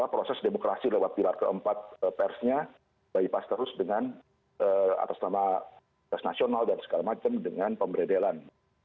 proses demokrasi lewat pilar keempat persnya bypas terus dengan atas nama pers nasional dan segala macam dengan pemberedelan